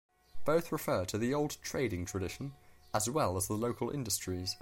Both refer to the old trading tradition as well as the local industries.